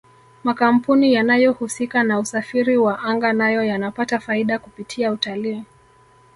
makampuni yanayohusika na usafiri wa anga nayo yanapata faida kupitia utalii